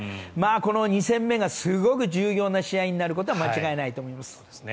この２戦目がすごく重要な試合になることは間違いないと思います。